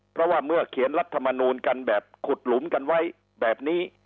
เพราะว่าเมื่อเขียนรัฐมนูลกันแบบขุดหลุมกันไว้แบบนี้